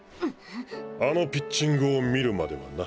あのピッチングを見るまではな。